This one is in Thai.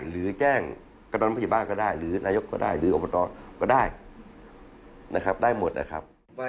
หรือแจ้งคุณนำผู้ใหญ่บ้านก็ได้หรือนายกก็ได้หรือออกประตอบก็ได้ได้หมดนะครับ